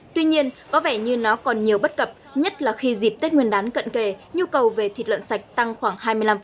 tuy nhiên có vẻ như nó còn nhiều bất cập nhất là khi dịp tết nguyên đán cận kề nhu cầu về thịt lợn sạch tăng khoảng hai mươi năm